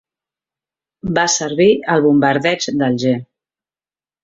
Va servir al Bombardeig d'Alger.